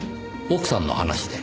奥さんの話で。